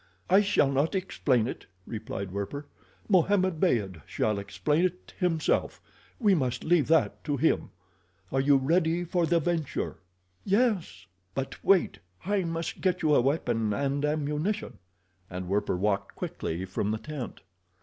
"I shall not explain it," replied Werper. "Mohammed Beyd shall explain it himself—we must leave that to him. Are you ready for the venture?" "Yes." "But wait, I must get you a weapon and ammunition," and Werper walked quickly from the tent.